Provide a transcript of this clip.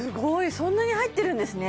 そんなに入ってるんですね